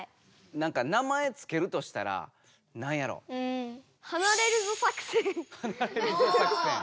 なんか名前つけるとしたらなんやろ？はなれるぞ作戦。